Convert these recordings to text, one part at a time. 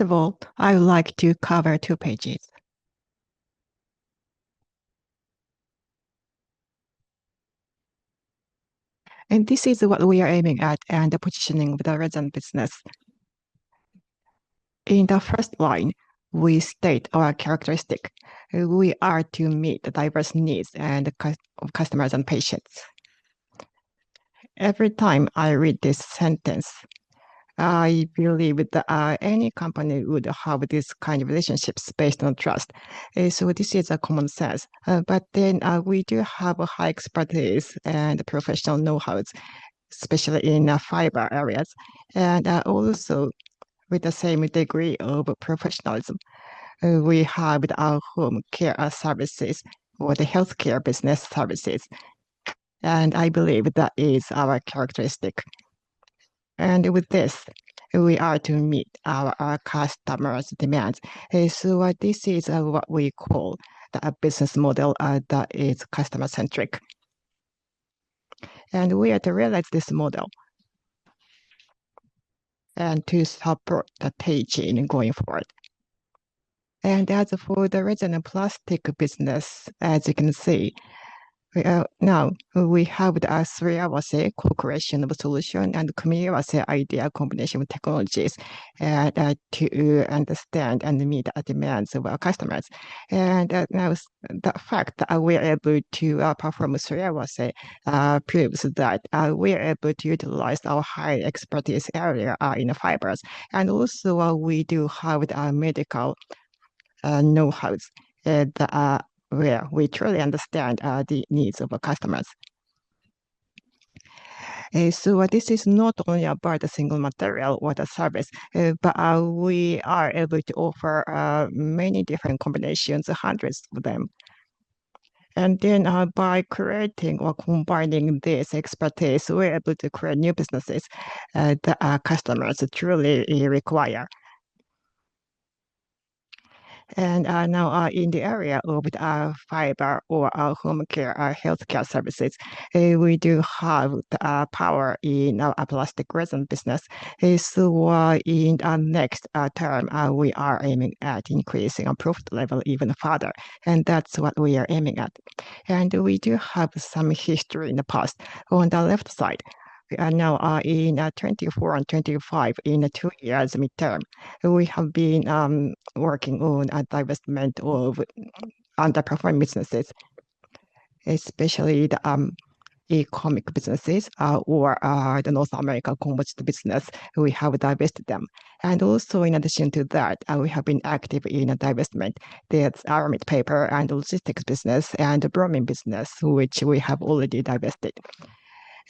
First of all, I would like to cover two pages, and this is what we are aiming at and positioning the resin business. In the first line, we state our characteristic: we are to meet diverse needs of customers and patients. Every time I read this sentence, I believe that any company would have this kind of relationships based on trust, so this is a common sense. But then we do have high expertise and professional know-how, especially in fiber areas, and also with the same degree of professionalism. We have our home care services or the healthcare business services, and I believe that is our characteristic, and with this, we are to meet our customers' demands, so this is what we call the business model that is customer-centric. We have to realize this model and to support the Teijin going forward. As for the resin and plastic business, as you can see, now we have the thorough co-creation of solution and community idea combination of technologies to understand and meet the demands of our customers, now the fact that we are able to perform thorough proofs that we are able to utilize our high expertise area in fibers, and also we do have our medical know-how where we truly understand the needs of our customers, so this is not only about a single material or the service, but we are able to offer many different combinations, hundreds of them, and then by creating or combining this expertise, we're able to create new businesses that our customers truly require, now in the area of fibers, our home care, healthcare services, we do have power in our plastic resin business. In the next term, we are aiming at increasing our ROIC level even further. That's what we are aiming at. We do have some history in the past. On the left side, now in 2024 and 2025, in two years midterm, we have been working on a divestment of underperforming businesses, especially the e-comic businesses or the North America commercial business. We have divested them. Also in addition to that, we have been active in a divestment. There's our Media, Paper, and Logistics business and the Pharma business, which we have already divested.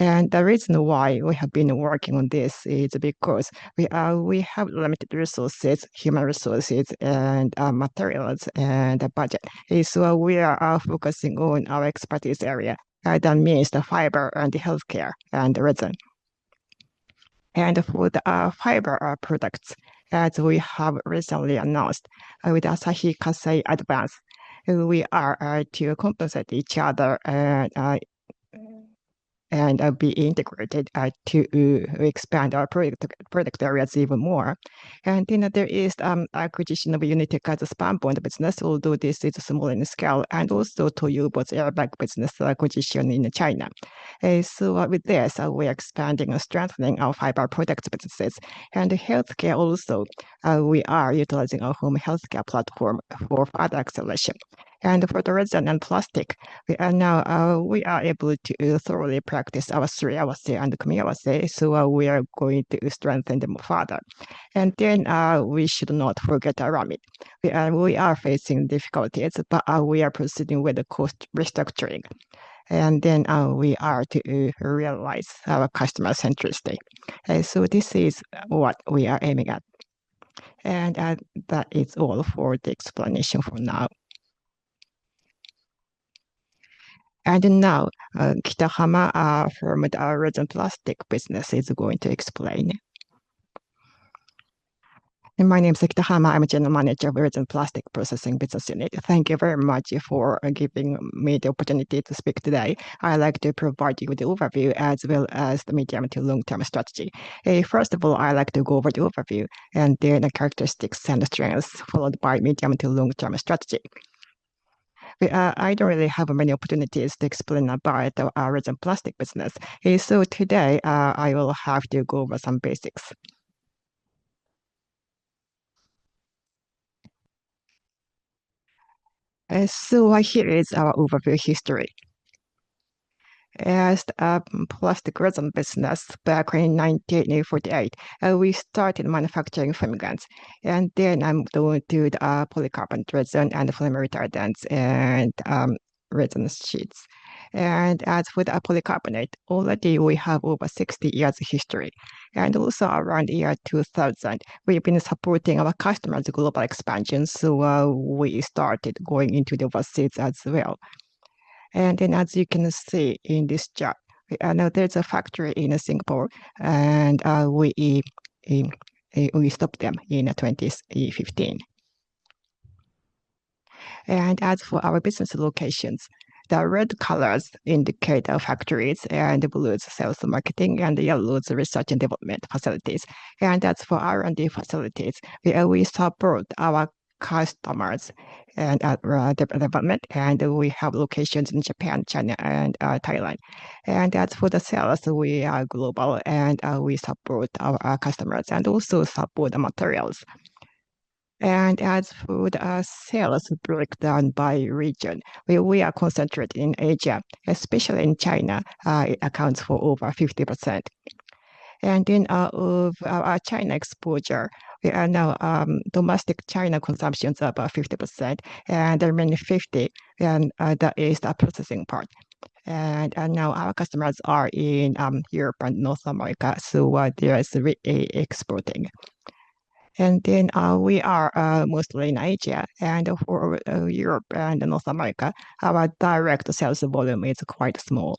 The reason why we have been working on this is because we have limited resources, human resources, and materials, and budget. We are focusing on our expertise area. That means the fiber and the healthcare and the resin. And for the fiber products that we have recently announced with Asahi Kasei Advance, we are to compensate each other and be integrated to expand our product areas even more. And then there is acquisition of Unitika's spunbond business, although this is small in scale, and also Toyobo's airbag business acquisition in China. So with this, we are expanding and strengthening our fiber products businesses. And healthcare also, we are utilizing our home healthcare platform for further acceleration. And for the resin and plastic, now we are able to thoroughly practice our 3Rs and circular economy, so we are going to strengthen them further. And then we should not forget Aramid. We are facing difficulties, but we are proceeding with the cost restructuring. And then we are to realize our customer centricity. So this is what we are aiming at. And that is all for the explanation for now. Now, Akitoshi Hama, from the resin and plastic business, is going to explain. My name is Akitoshi Hama. I'm the General Manager of the Resin and Plastic Processing Business Unit. Thank you very much for giving me the opportunity to speak today. I'd like to provide you with the overview as well as the medium to long-term strategy. First of all, I'd like to go over the overview and then the characteristics and strengths, followed by medium-to long-term strategy. I don't really have many opportunities to explain about our resin and plastic business. So today, I will have to go over some basics. So here is our overview history. As a plastic resin business back in 1948, we started manufacturing filaments. And then we moved on to the polycarbonate resin and flame retardants and resin sheets. And as for the polycarbonate, already we have over 60 years of history. And also around the year 2000, we've been supporting our customers' global expansion. So we started going into the overseas as well. And then as you can see in this chart, there's a factory in Singapore, and we stopped them in 2015. And as for our business locations, the red colors indicate our factories, and the blue sales and marketing, and the yellow is research and development facilities. And as for R&D facilities, we support our customers' development, and we have locations in Japan, China, and Thailand. And as for the sales, we are global, and we support our customers and also support the materials. And as for the sales breakdown by region, we are concentrated in Asia, especially in China. It accounts for over 50%. And then of our China exposure, we are now domestic China consumption is about 50%, and the remaining 50% is the processing part. And now our customers are in Europe and North America, so there is re-exporting. And then we are mostly in Asia. And for Europe and North America, our direct sales volume is quite small.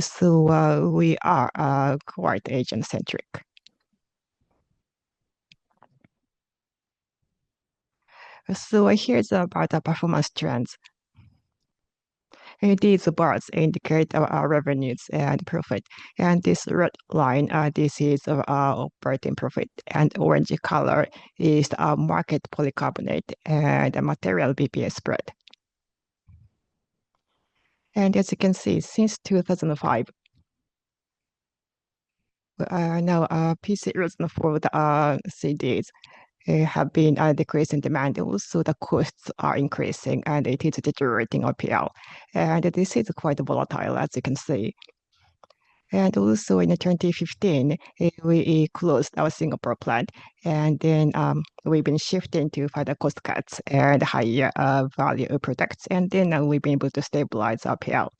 So we are quite Asian-centric. So here's about our performance trends. These bars indicate our revenues and profit. And this red line, this is our operating profit. And orange color is our market polycarbonate and material BPA spread. And as you can see, since 2005, now PC resin for the CDs have been decreasing demand also. The costs are increasing, and it is deteriorating our PL. And this is quite volatile, as you can see. And also in 2015, we closed our Singapore plant. And then we've been shifting to further cost cuts and higher value products. And then we've been able to stabilize our PL.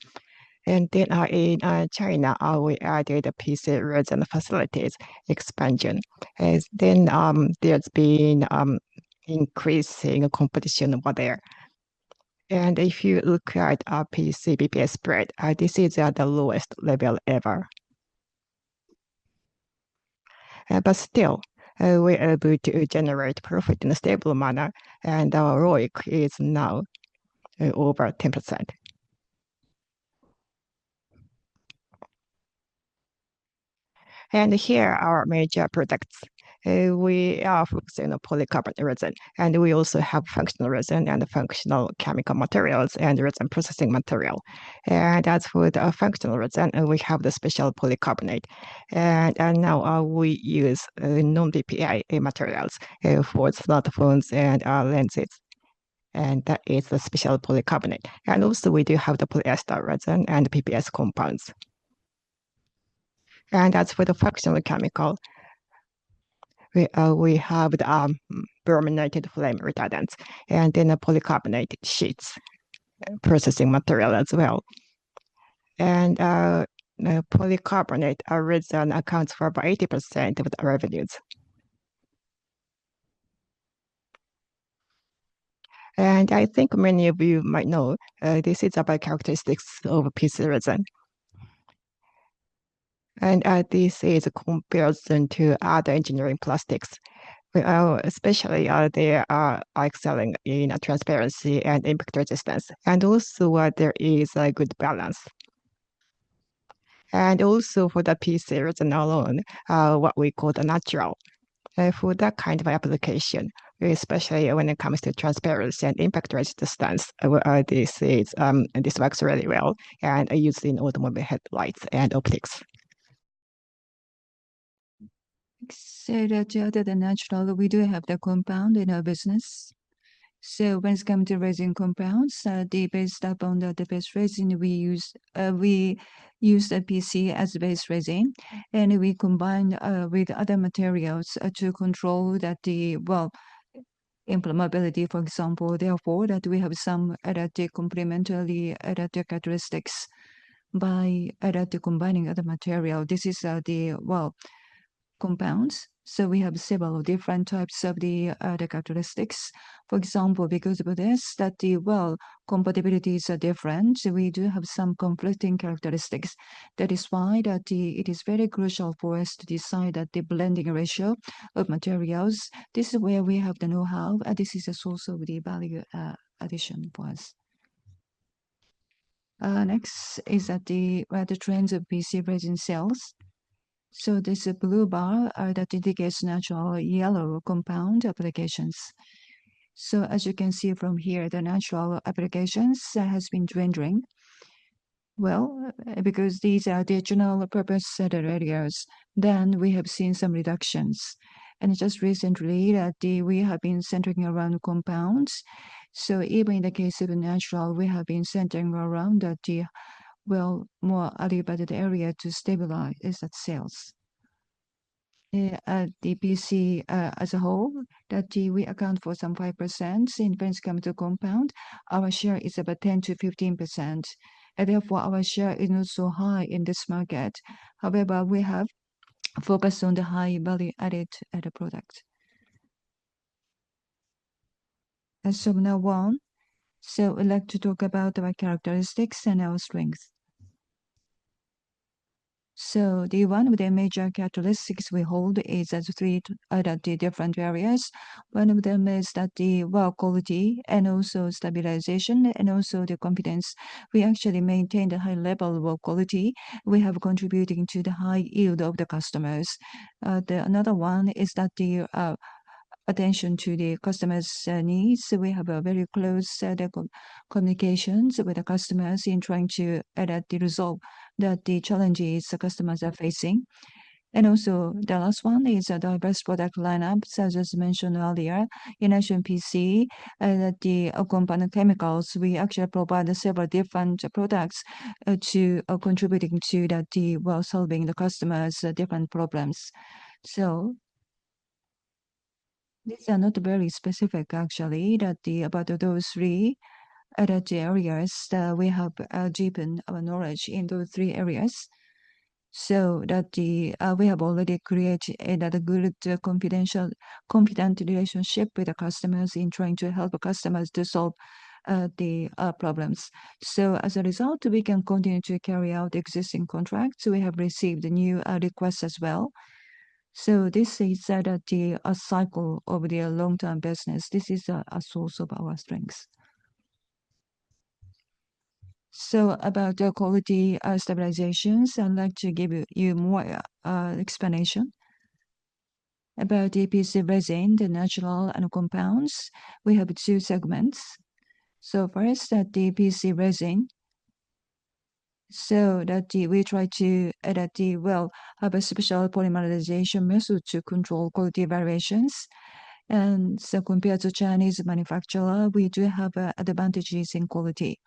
And then in China, we added PC resin facilities expansion. And then there's been increasing competition over there. And if you look at our PC BPA spread, this is at the lowest level ever. But still, we're able to generate profit in a stable manner, and our ROIC is now over 10%. And here are our major products. We are focusing on polycarbonate resin, and we also have functional resin and functional chemical materials and resin processing material. And as for the functional resin, we have the special polycarbonate. And now we use non-BPA materials for smartphones and lenses. And that is the special polycarbonate. And also we do have the polyester resin and PPS compounds. And as for the functional chemical, we have the brominated flame retardants and then polycarbonate sheets processing material as well. And polycarbonate resin accounts for about 80% of the revenues. I think many of you might know this is about characteristics of PC resin. This is a comparison to other engineering plastics, especially they are excelling in transparency and impact resistance. There is a good balance. For the PC resin alone, what we call the natural. For that kind of application, especially when it comes to transparency and impact resistance, this works really well and is used in automotive headlights and optics. So the natural, we do have the compound in our business. So when it comes to resin compounds, they're based upon the base resin we use. We use the PC as a base resin, and we combine with other materials to control the well, implementability, for example. Therefore, that we have some added complementary characteristics by added combining other material. This is the well compounds. So we have several different types of the characteristics. For example, because of this, that the well compatibilities are different, we do have some conflicting characteristics. That is why that it is very crucial for us to decide that the blending ratio of materials. This is where we have the know-how, and this is a source of the value addition for us. Next is the trends of PC resin sales. So this blue bar that indicates natural yellow compound applications. So as you can see from here, the natural applications have been dwindling. Well, because these are the general purpose areas, then we have seen some reductions. And just recently, we have been centering around compounds. So even in the case of natural, we have been centering around the, well, more elevated area to stabilize that sales. The PC as a whole, that we account for some 5% in when it comes to compound, our share is about 10%-15%. Therefore, our share is not so high in this market. However, we have focused on the high value added product. So now one, so I'd like to talk about our characteristics and our strengths. So one of the major characteristics we hold is as three different areas. One of them is that the, well, quality and also stabilization and also the confidence. We actually maintain the high level of quality. We have contributing to the high yield of the customers. Another one is the attention to the customer's needs. We have very close communications with the customers in trying to address and resolve the challenges the customers are facing. And also the last one is the best product lineup, as I mentioned earlier, in advanced PC, the compound chemicals. We actually provide several different products contributing to that, well, solving the customer's different problems. So these are not very specific, actually, that's about those three areas that we have deepened our knowledge in those three areas. So that we have already created a good confident relationship with the customers in trying to help customers to solve the problems. So as a result, we can continue to carry out existing contracts. We have received new requests as well. This is the cycle of the long-term business. This is a source of our strengths. About the quality stabilizations, I'd like to give you more explanation. About the PC resin, the natural and compounds, we have two segments. First, the PC resin. We have a special polymerization method to control quality variations. Compared to Chinese manufacturer, we do have advantages in quality.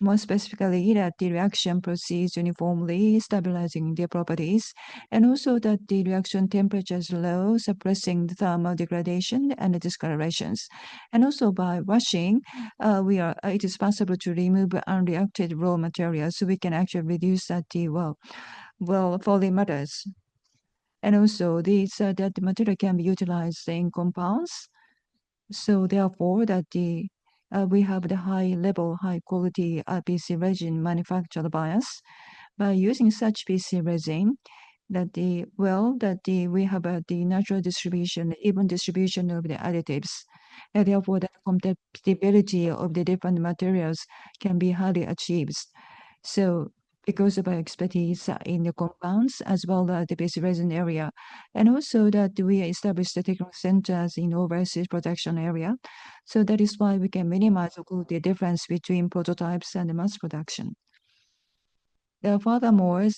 More specifically, the reaction proceeds uniformly, stabilizing the properties. Also, the reaction temperature is low, suppressing thermal degradation and discolorations. Also, by washing, it is possible to remove unreacted raw materials. We can actually reduce the yellowing matters. Also, the material can be utilized in compounds. Therefore, we have the high level, high quality PC resin manufactured by us. By using such PC resin, we have the natural, even distribution of the additives, and therefore, the compatibility of the different materials can be highly achieved, so it goes by expertise in the compounds as well as the PC resin area, and also we establish the technical centers in overseas production area, so that is why we can minimize the difference between prototypes and mass production. Furthermore,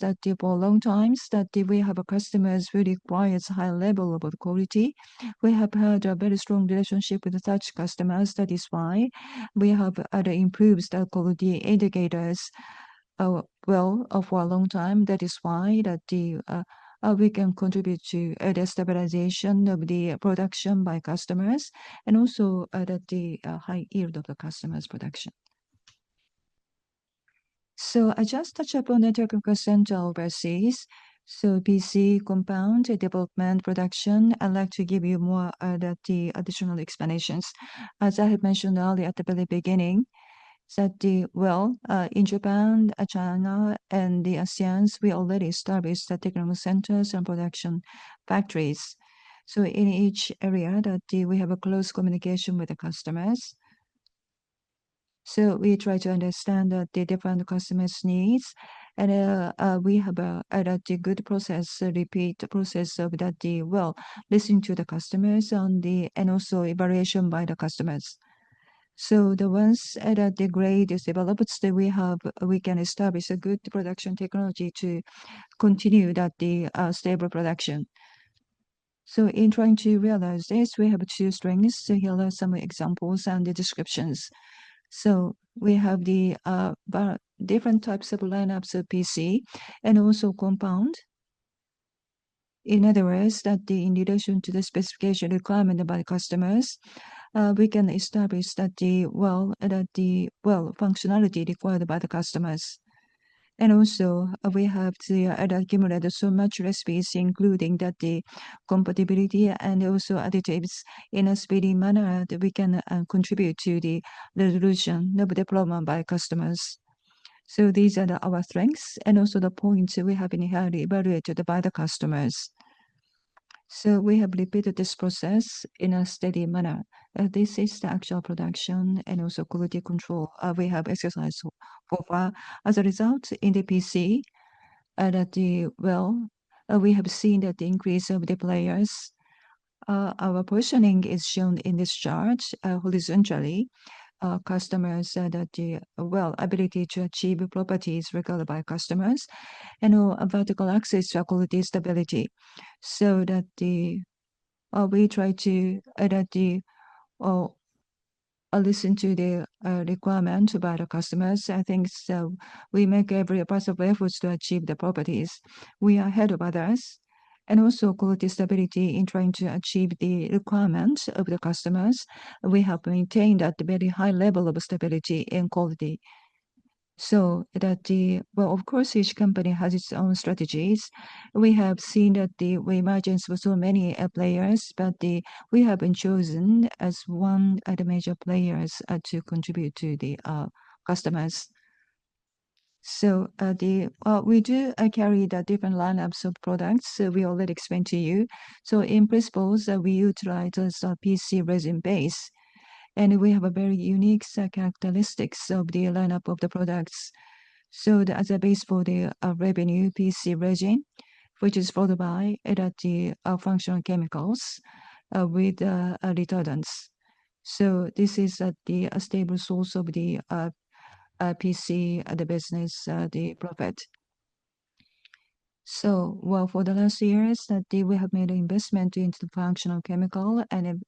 for long times, we have customers who require high level of quality. We have had a very strong relationship with such customers. That is why we have improved the quality indicators well for a long time. That is why we can contribute to the stabilization of the production by customers and also the high yield of the customer's production. I just touched upon the technical center overseas. So, PC compound development production, I'd like to give you more of the additional explanations. As I had mentioned earlier at the very beginning, that, well, in Japan, China, and the ASEAN, we already established technical centers and production factories. So in each area, that we have a close communication with the customers. So we try to understand the different customers' needs. And we have a good process, repeat the process of that, well, listening to the customers and also evaluation by the customers. So once the grade is developed, we can establish a good production technology to continue that the stable production. So in trying to realize this, we have two strengths. Here are some examples and the descriptions. So we have the different types of lineups of PC and also compound. In other words, that in relation to the specification requirement by the customers, we can establish that the melt functionality required by the customers, and also we have to accumulate so much recipes, including that the compatibility and also additives in a speedy manner that we can contribute to the resolution of the problem by customers, so these are our strengths and also the points we have been highly evaluated by the customers, so we have repeated this process in a steady manner. This is the actual production and also quality control. We have exercised for as a result in the PC and the melt. We have seen that the increase of the players. Our positioning is shown in this chart horizontally. Customers that the melt ability to achieve properties required by customers and vertical access to quality stability. So that we try to listen to the requirement by the customers. I think so we make every possible effort to achieve the properties. We are ahead of others and also quality stability in trying to achieve the requirements of the customers. We have maintained that very high level of stability and quality. So that, well, of course, each company has its own strategies. We have seen that we emergence with so many players, but we have been chosen as one of the major players to contribute to the customers. So we do carry the different lineups of products we already explained to you. So in principle, we utilize our PC resin base. And we have a very unique characteristics of the lineup of the products. So as a base for the revenue PC resin, which is followed by the functional chemicals with the detergents. This is the stable source of the PC resin business, the profit. For the last years, that we have made an investment into the functional chemical and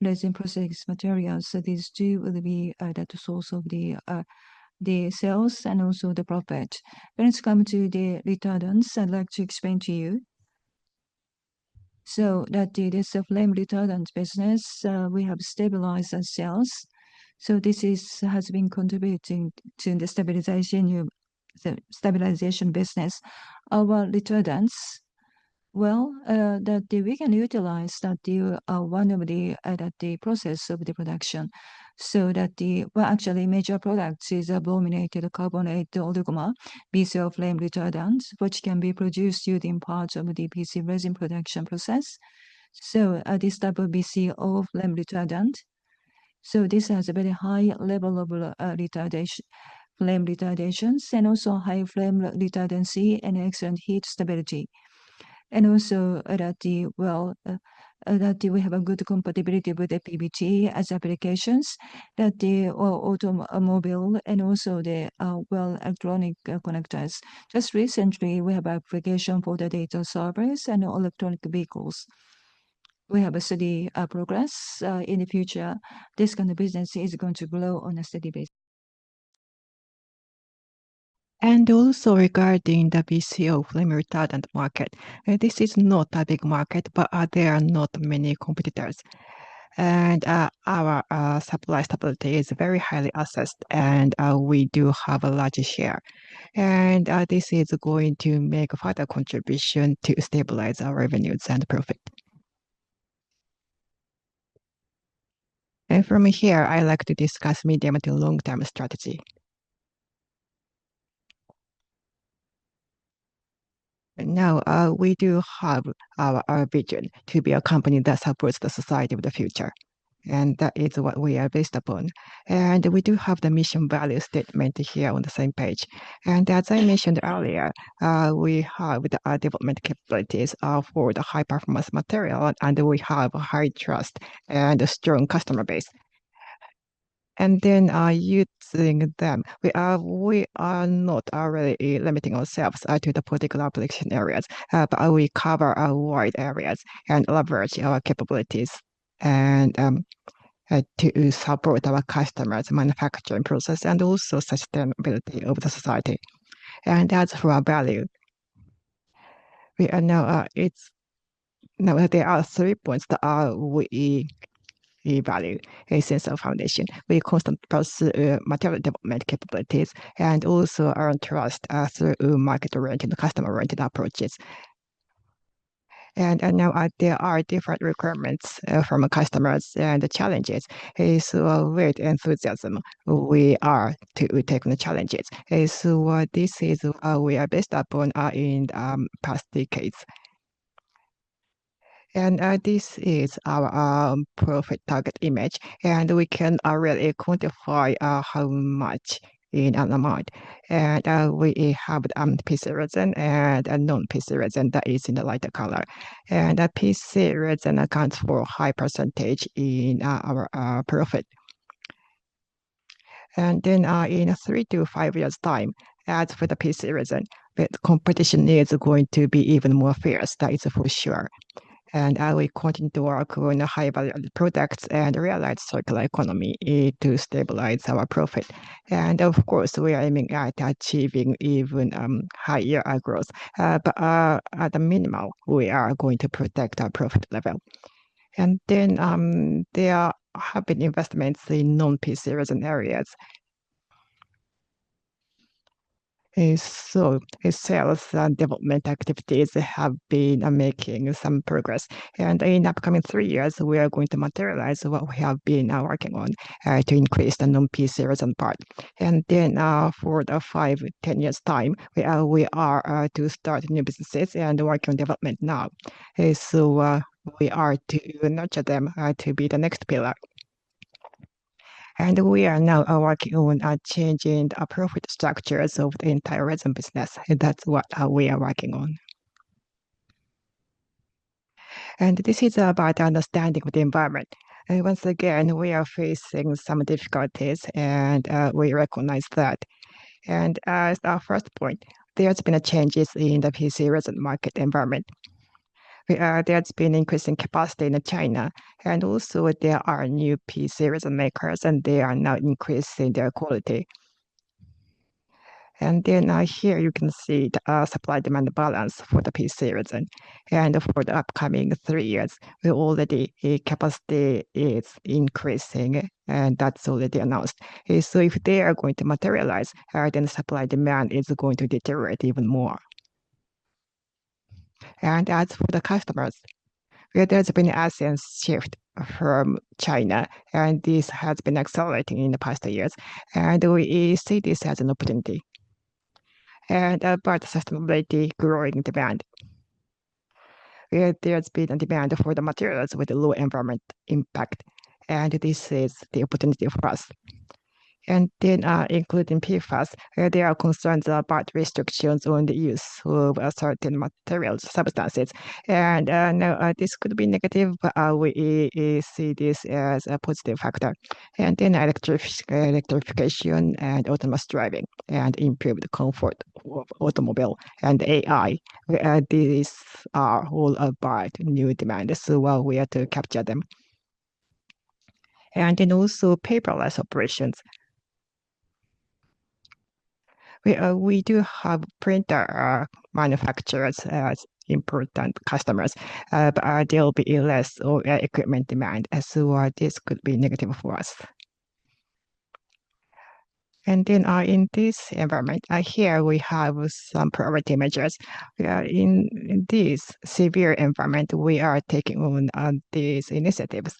resin processing materials. These two will be that source of the sales and also the profit. When it comes to the retardants, I'd like to explain to you. This flame retardant business, we have stabilized ourselves. This has been contributing to the stabilization business. Our retardants, well, that we can utilize that one of the processes of the production. The actual major product is a brominated carbonate oligomer BCO flame retardant, which can be produced using parts of the PC resin production process. This type of BCO flame retardant has a very high level of flame retardancy and also high flame retardancy and excellent heat stability. And also that we have a good compatibility with the PBT-based applications in the automobile and also as well as electronic connectors. Just recently, we have application for the data servers and electric vehicles. We have a steady progress in the future. This kind of business is going to grow on a steady basis. And also regarding the PC flame retardant market, this is not a big market, but there are not many competitors. And our supply stability is very highly assessed, and we do have a large share. And this is going to make further contribution to stabilize our revenues and profit. And from here, I'd like to discuss medium- to long-term strategy. Now, we do have our vision to be a company that supports the society of the future. And that is what we are based upon. And we do have the mission value statement here on the same page. And as I mentioned earlier, we have the development capabilities for the high performance material, and we have a high trust and a strong customer base. And then using them, we are not already limiting ourselves to the particular application areas, but we cover wide areas and leverage our capabilities to support our customers' manufacturing process and also sustainability of the society. And that's for our value. Now, there are three points that we value in a sense of foundation. We constantly pursue material development capabilities and also our trust through market-oriented and customer-oriented approaches. And now there are different requirements from customers and challenges. So with enthusiasm, we are taking the challenges. So this is what we are based upon in the past decades. And this is our perfect target image. And we can really quantify how much in an amount. And we have the PC resin and non-PC resin that is in the lighter color. And PC resin accounts for a high percentage in our profit. And then in three to five years' time, as for the PC resin, the competition is going to be even more fierce. That is for sure. And we continue to work on high-value products and realize circular economy to stabilize our profit. And of course, we are aiming at achieving even higher growth. But at a minimum, we are going to protect our profit level. And then there have been investments in non-PC resin areas. So sales and development activities have been making some progress. And in the upcoming three years, we are going to materialize what we have been working on to increase the non-PC resin part. For the five, ten years' time, we are to start new businesses and work on development now. We are to nurture them to be the next pillar. We are now working on changing the profit structures of the entire resin business. That's what we are working on. This is about understanding of the environment. Once again, we are facing some difficulties, and we recognize that. As our first point, there have been changes in the PC resin market environment. There has been increasing capacity in China. Also there are new PC resin makers, and they are now increasing their quality. Here you can see the supply-demand balance for the PC resin. For the upcoming three years, we already see capacity is increasing, and that's already announced. So if they are going to materialize, then supply and demand is going to deteriorate even more. And as for the customers, there has been an ASEAN shift from China, and this has been accelerating in the past years. And we see this as an opportunity. And about sustainability, growing demand. There has been a demand for the materials with a low environmental impact. And this is the opportunity for us. And then including PFAS, there are concerns about restrictions on the use of certain materials, substances. And this could be negative, but we see this as a positive factor. And then electrification and autonomous driving and improved comfort of automobile and AI. These are all about new demands. So while we are to capture them. And then also paperless operations. We do have printer manufacturers as important customers, but there will be less equipment demand. So this could be negative for us. And then in this environment, here we have some priority measures. In this severe environment, we are taking on these initiatives.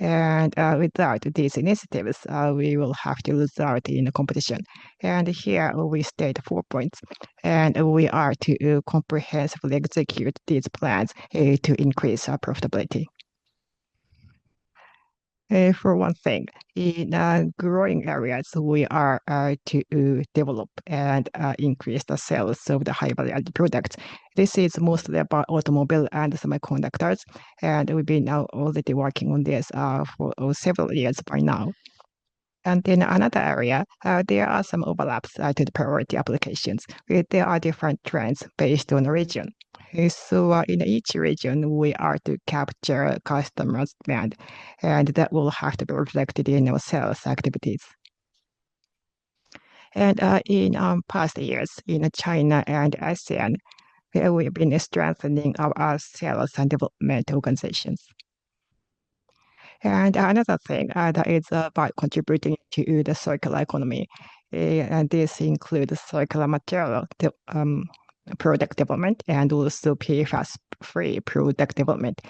And without these initiatives, we will have to result in competition. And here we state four points. And we are to comprehensively execute these plans to increase our profitability. For one thing, in growing areas, we are to develop and increase the sales of the high-value products. This is mostly about automobile and semiconductors. And we've been already working on this for several years by now. And then another area, there are some overlaps to the priority applications. There are different trends based on region. So in each region, we are to capture customers' demand. And that will have to be reflected in our sales activities. In past years in China and ASEAN, there will be a strengthening of our sales and development organizations. Another thing that is about contributing to the circular economy. This includes circular material product development and also PFAS-free product development.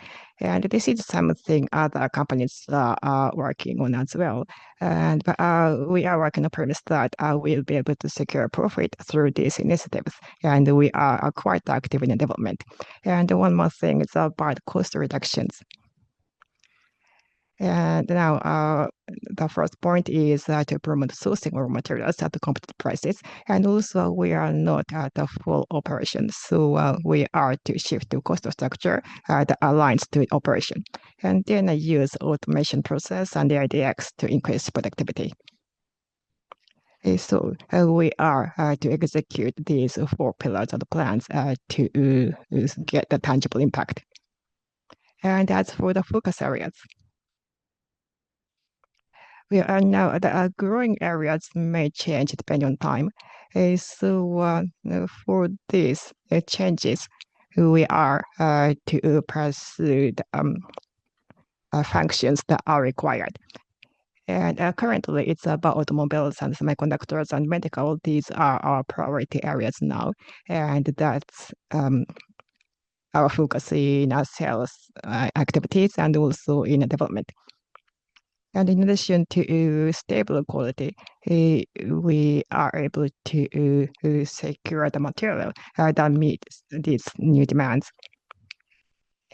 And this is something other companies are working on as well. And we are working on a premise that we will be able to secure profit through these initiatives. And we are quite active in the development. One more thing is about cost reductions. Now the first point is to promote sourcing of materials at competitive prices. And also we are not at full operation. So we are to shift to cost structure that aligns to operation. And then use automation process and the DX to increase productivity. So we are to execute these four pillars of the plans to get the tangible impact. As for the focus areas, now the growing areas may change depending on time. For these changes, we are to pursue the functions that are required. Currently, it's about automobiles and semiconductors and medical. These are our priority areas now. That's our focus in our sales activities and also in development. In addition to stable quality, we are able to secure the material that meets these new demands.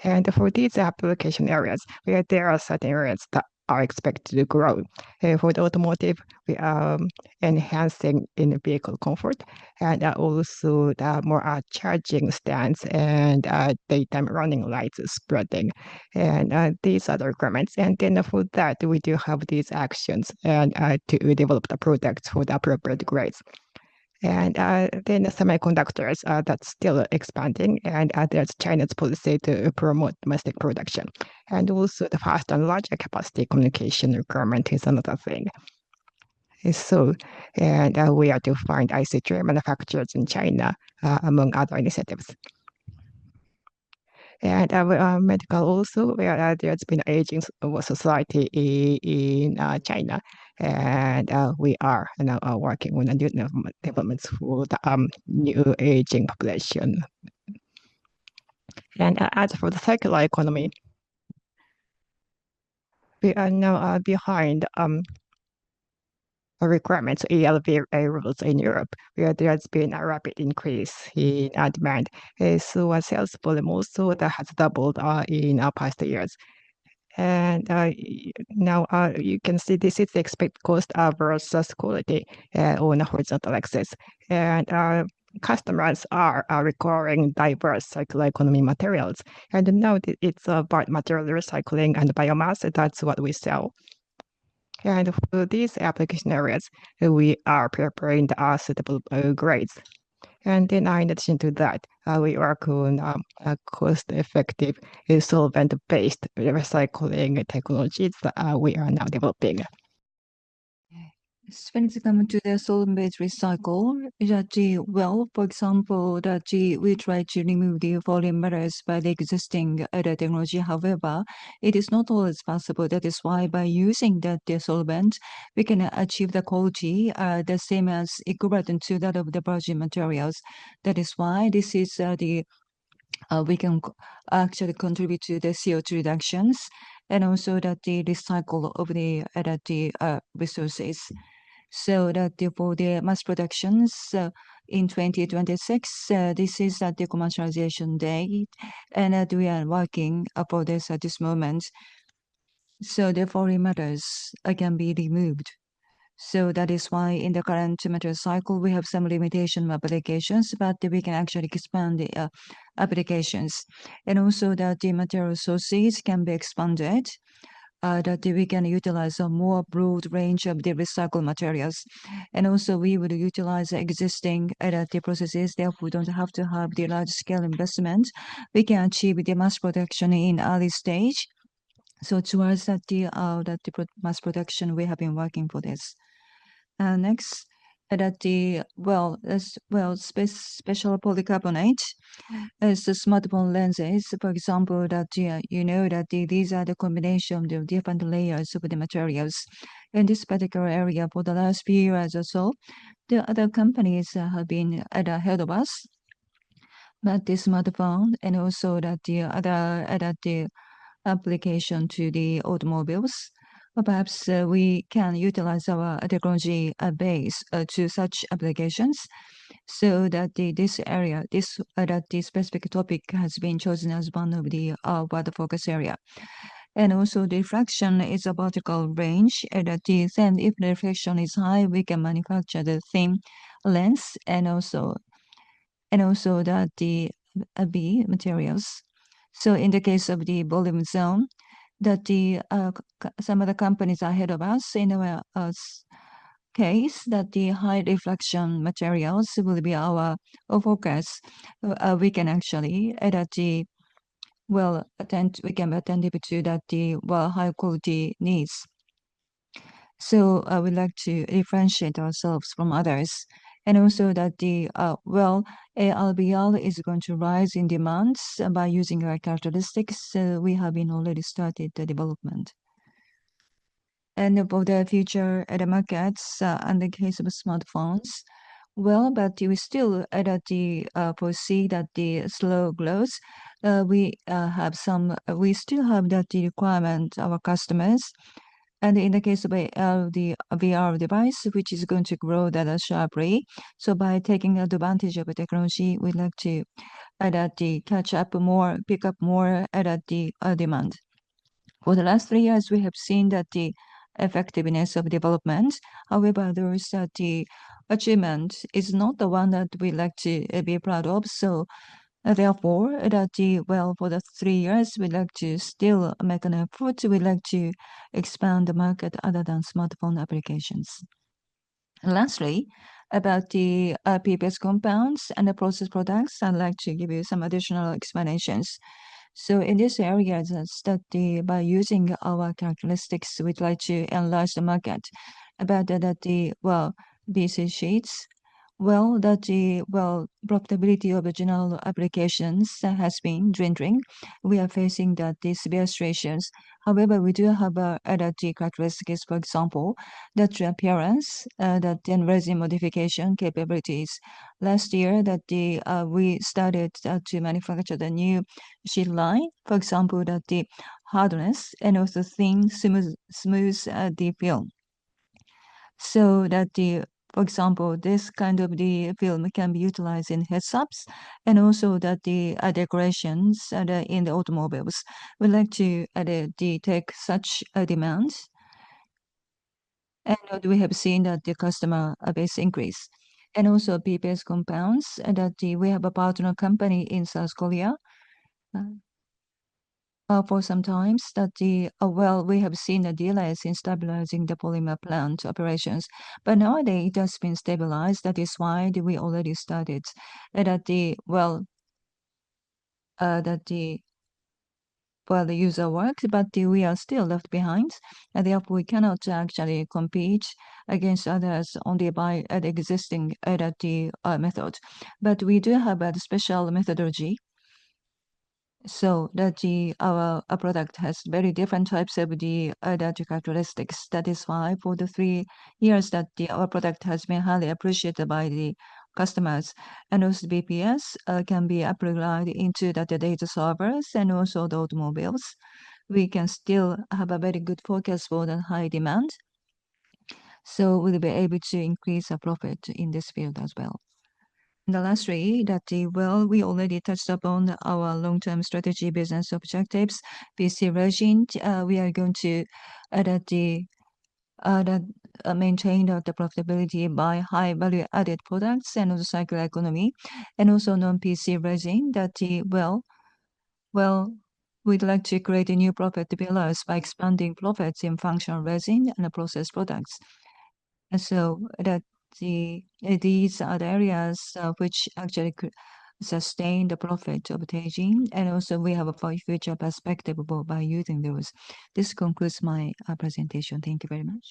For these application areas, there are certain areas that are expected to grow. For the automotive, we are enhancing in vehicle comfort and also the more charging stands and daytime running lights spreading. These are the requirements. For that, we do have these actions to develop the products for the appropriate grades. Semiconductors, that's still expanding. There's China's policy to promote domestic production. Also, the fast and larger capacity communication requirement is another thing. We are to find IC manufacturers in China among other initiatives. Medical, also, there has been an aging society in China. We are now working on a new development for the new aging population. As for the circular economy, we are now behind requirements ELV rules in Europe. There has been a rapid increase in demand, so our sales volume also has doubled in past years. Now you can see, this is the expected cost versus quality on a horizontal axis. Customers are requiring diverse circular economy materials. Now it's about material recycling and biomass. That's what we sell. For these application areas, we are preparing the suitable grades, then in addition to that, we work on cost-effective solvent-based recycling technologies that we are now developing. When it comes to the solvent-based recycling, well, for example, we try to remove the volatile matters by the existing other technology. However, it is not always possible. That is why by using that solvent, we can achieve the quality the same as equivalent to that of the virgin materials. That is why this is why we can actually contribute to the CO2 reductions and also the recycling of the other resources. So that for the mass productions in 2026, this is at the commercialization day. And we are working for this at this moment. So the volatile matters can be removed. So that is why in the current material cycle, we have some limitation of applications, but we can actually expand the applications. And also the material sources can be expanded, that we can utilize a more broad range of the recycled materials. And also we will utilize existing additive processes. Therefore, we don't have to have the large-scale investment. We can achieve the mass production in early stage. So towards that mass production, we have been working for this. Next, well, special polycarbonate is the smartphone lenses. For example, you know that these are the combination of the different layers of the materials. In this particular area, for the last few years or so, the other companies have been ahead of us. But the smartphone and also that the other additive application to the automobiles, perhaps we can utilize our technology base to such applications. So that this area, this specific topic has been chosen as one of the wider focus areas. And also the refractive index is a vital range. And if the refractive index is high, we can manufacture the thin lens and also the base materials. So in the case of the volume zone, some of the companies are ahead of us. In our case, the high refractive materials will be our focus. We can actually, well, be attentive to the high-quality needs. So we like to differentiate ourselves from others. And also the, well, AR/VR is going to rise in demands by using our characteristics. We have been already started the development. And for the future at the markets and the case of smartphones, well, but we still add the foresee that the slow growth. We have some, we still have the requirement of our customers. And in the case of the VR device, which is going to grow sharply. So by taking advantage of the technology, we like to catch-up more, pick up more, add the demand. For the last three years, we have seen the effectiveness of development. However, the achievement is not the one that we like to be proud of. So therefore, well, for the three years, we like to still make an effort. We like to expand the market other than smartphone applications. Lastly, about the PPS compounds and the resin products, I'd like to give you some additional explanations. So in this area, by using our characteristics, we'd like to enlarge the market. About the, well, PC sheets, well, profitability of the general applications has been dwindling. We are facing the severe stressors. However, we do have added the characteristics, for example, the appearance, the enlarging modification capabilities. Last year, we started to manufacture the new sheet line. For example, the hardness and also thin, smooth the film so that, for example, this kind of the film can be utilized in heads-ups and also the decorations in the automobiles. We like to take such demands. We have seen that the customer base increase. Also, PPS compounds that we have a partner company in South Korea. For some time, we have seen the delays in stabilizing the polymer plant operations. But nowadays it has been stabilized. That is why we already started the user works, but we are still left behind. Therefore we cannot actually compete against others only by the existing additive method. We do have a special methodology so that our product has very different types of the additive characteristics. That is why, for the three years that our product has been highly appreciated by the customers, and also PPS can be applied into the data servers and also the automobiles. We can still have a very good focus for the high demand, so we'll be able to increase our profit in this field as well. For the last three, well, we already touched upon our long-term strategy business objectives, PC resin. We are going to maintain the profitability by high value-added products and also circular economy, and also non-PC resin, well, we'd like to create a new profit pillars by expanding profits in functional resin and the processed products. So these are the areas which actually sustain the profit of the segment, and also we have a future perspective by using those. This concludes my presentation. Thank you very much.